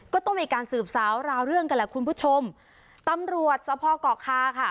ก็ต้องมีการสืบสาวราวเรื่องกันแหละคุณผู้ชมตำรวจสภเกาะคาค่ะ